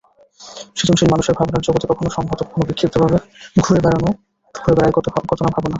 সৃজনশীল মানুষের ভাবনার জগতে কখনো সংহত, কখনো বিক্ষিপ্তভাবে ঘুরে বেড়ায় কত-না ভাবনা।